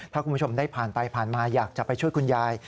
ถ้าคุณผู้ชมได้ผ่านไปผ่านมาอยากจะไปช่วยคุณยาย